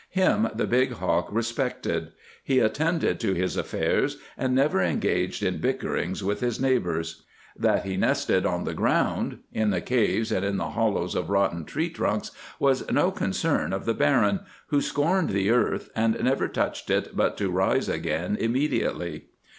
Him the big hawk respected. He attended to his affairs, and never engaged in bickerings with his neighbors. That he nested on the ground—in the caves and in the hollows of rotten tree trunks—was no concern of the Baron, who scorned the earth, and never touched it but to rise again immediately.